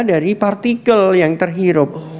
dari partikel yang terhirup